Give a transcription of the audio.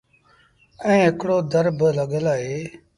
ائيٚݩ هڪڙو در بالڳل اهي۔